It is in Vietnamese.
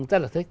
rất là thích